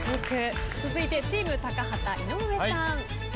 続いてチーム高畑井上さん。